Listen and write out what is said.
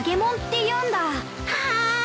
はあ！